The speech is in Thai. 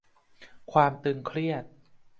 ความตึงเครียด